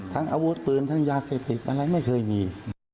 ทั้งอาวุธปืนทั้งยาเศริกอะไรไม่เคยมี